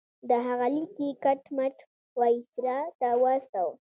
د هغه لیک یې کټ مټ وایسرا ته واستاوه.